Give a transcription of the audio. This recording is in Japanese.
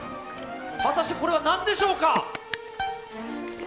果たしてこれは何でしょうか。